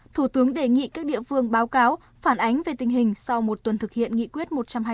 thủ tướng đề nghị các địa phương báo cáo phản ánh về tình hình sau một tuần thực hiện nghị quyết một trăm hai mươi